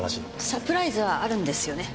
サプライズはあるんですよね？